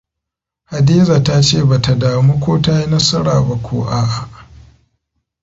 Hadiza ta ce ba ta damu ko ta yi nasara ba ko a'a.